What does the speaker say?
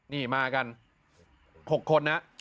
นี่มากัน๖คนนะ